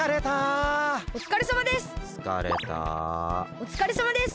おつかれさまです！